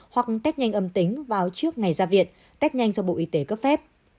hoặc test nhanh âm tính vào trước ngày ra viện test nhanh do bộ y tế cấp phép